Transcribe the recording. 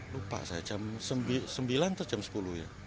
lupa saya jam sembilan atau jam sepuluh ya